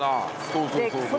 そうそうそうそう。